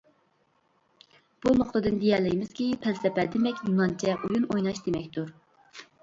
بۇ نۇقتىدىن دېيەلەيمىزكى، پەلسەپە دېمەك يۇنانچە ئويۇن ئويناش دېمەكتۇر.